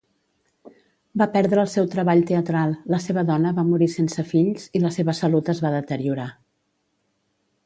Va perdre el seu treball teatral, la seva dona va morir sense fills, i la seva salut es va deteriorar.